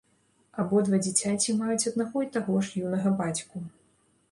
Абодва дзіцяці маюць аднаго і таго ж юнага бацьку.